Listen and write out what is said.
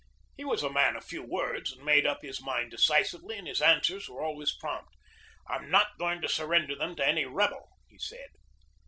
He was a man of few words, who made up his mind decisively, and his answers were always prompt. "I'm not going to surrender them to any rebel," he said.